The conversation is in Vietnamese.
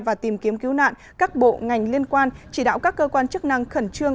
và tìm kiếm cứu nạn các bộ ngành liên quan chỉ đạo các cơ quan chức năng khẩn trương